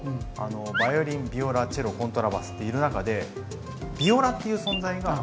バイオリンビオラチェロコントラバスっている中でビオラっていう存在が。